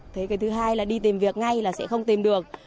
thế cái thứ hai là đi tìm việc ngay là sẽ không tìm được